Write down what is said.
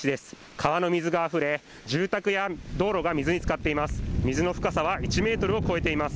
川の水があふれ、住宅や道路が水につかっています。